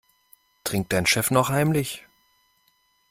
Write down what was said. Trinkt dein Chef noch heimlich?